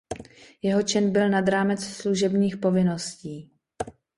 Jeho čin byl „nad rámec služebních povinností“.